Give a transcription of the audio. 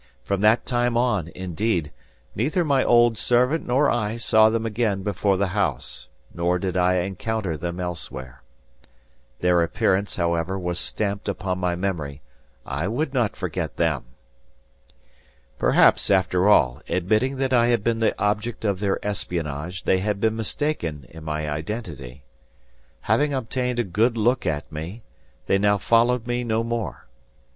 From that time on, indeed, neither my old servant nor I saw them again before the house, nor did I encounter them elsewhere. Their appearance, however, was stamped upon my memory, I would not forget them. Perhaps after all, admitting that I had been the object of their espionage, they had been mistaken in my identity. Having obtained a good look at me, they now followed me no more.